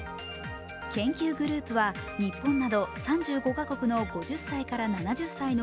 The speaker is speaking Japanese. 研究グループは日本など３５か国の５０歳から７０歳の